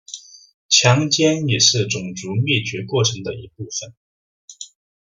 强奸也是种族灭绝过程的一部分。